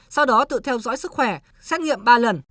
sau đó tự theo dõi sức khỏe xét nghiệm ba lần